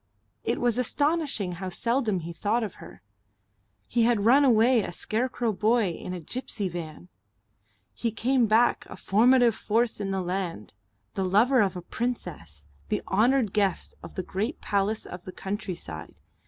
It was astonishing how seldom he thought of her.... He had run away a scarecrow boy in a gipsy van. He came back a formative force in the land, the lover of a princess, the honoured guest of the great palace of the countryside.